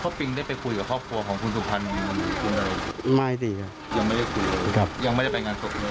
ยังไม่ได้คุยเลยครับยังไม่ได้ไปงานศพเลยครับ